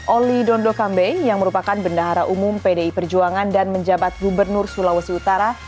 oli dondo kambe yang merupakan bendahara umum pdi perjuangan dan menjabat gubernur sulawesi utara